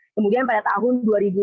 kemudian pada tahun dua ribu dua puluh